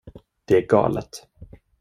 Det är galet.